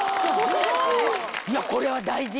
いやこれは大事！